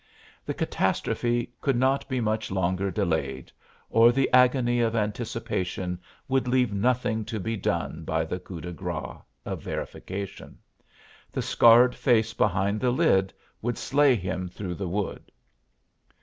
The catastrophe could not be much longer delayed, or the agony of anticipation would leave nothing to be done by the coup de grâce of verification. The scarred face behind the lid would slay him through the wood.